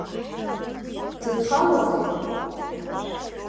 Дзыдхалазеи?